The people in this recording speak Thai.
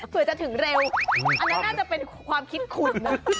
เผื่อจะถึงเร็วอันนั้นน่าจะเป็นความคิดคุณนะ